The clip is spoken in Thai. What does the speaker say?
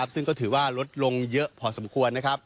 ซึ่งก็ถือว่าลดลงเยอะพอสมควร